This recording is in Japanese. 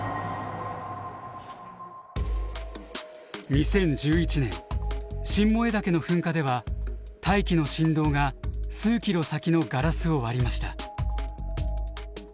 ２０１１年新燃岳の噴火では大気の振動が数キロ先のガラスを割りました。